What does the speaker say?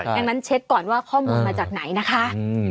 ดังนั้นเช็คก่อนว่าข้อมูลมาจากไหนนะคะ